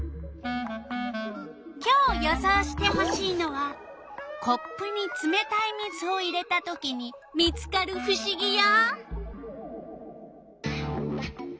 今日予想してほしいのはコップにつめたい水を入れたときに見つかるふしぎよ！